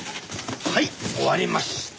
はい終わりました！